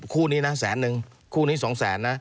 คู่นี้นะแสนนึงคู่นี้๒แสนนะ